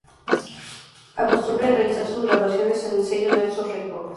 Acostumbra a realizar sus grabaciones en el sello Naxos Records.